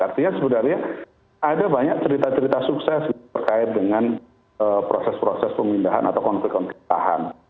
artinya sebenarnya ada banyak cerita cerita sukses terkait dengan proses proses pemindahan atau konflik konflik tahan